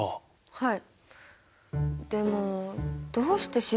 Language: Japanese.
はい！